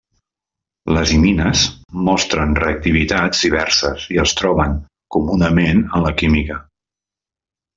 Les imines mostren reactivitats diverses i es troben comunament en la química.